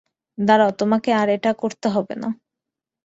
দাঁড়াও, তোমাকে আর এটা করতে হবে না।